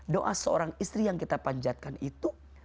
doa seorang istri yang kita panjatkan itu